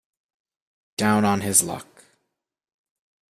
Down on his luck.